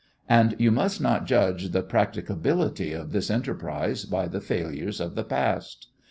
And you must not judge the practicability of this enterprise by the failures of the past.